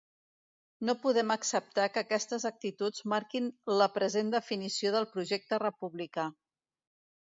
No podem acceptar que aquestes actituds marquin la present definició del projecte republicà.